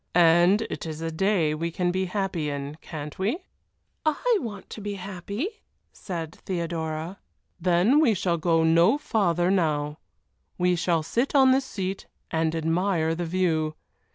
"And it is a day we can be happy in, can't we?" "I want to be happy," said Theodora. "Then we shall go no farther now; we shall sit on this seat and admire the view.